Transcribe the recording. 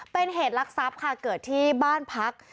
เป็นเหตุลักษัพค่ะเกิดที่บ้านพัก